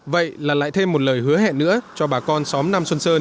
vậy là lại thêm một lời hứa hẹn nữa cho bà con xóm nam xuân sơn